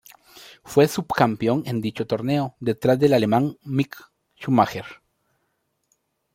Fue subcampeón en dicho torneo, detrás del alemán Mick Schumacher.